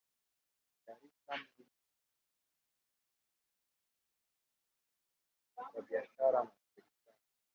Dar es Salaam ni mji muhimu kwa biashara na serikali.